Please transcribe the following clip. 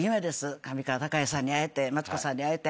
上川隆也さんに会えてマツコさんに会えて。